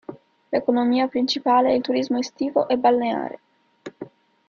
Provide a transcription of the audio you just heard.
L'economia principale è il turismo estivo e balneare.